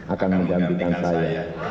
akan menjambikan saya